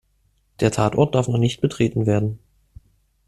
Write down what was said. Der Tatort darf noch nicht betreten werden.